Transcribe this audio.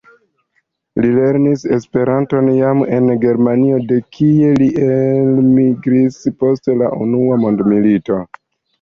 Li lernis Esperanton jam en Germanio, de kie li elmigris post la Unua mondmilito.